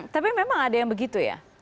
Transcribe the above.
tapi memang ada yang begitu ya